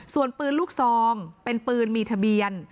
ส่วนปืนลูกซองเป็นปืนมีทะเบียน